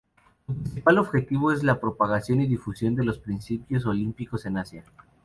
Su principal objetivo es la propagación y difusión de los principios olímpicos en Asia.